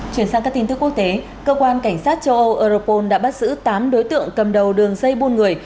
chuyển sang các tin tức quốc tế cơ quan cảnh sát châu âu europol đã bắt giữ tám đối tượng cầm đầu đường dây buôn người